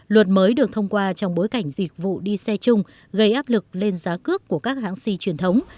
luật mới được thông qua trong bối cảnh dịch vụ đi xe chung gây áp lực lên giá cước của các hãng xe truyền thống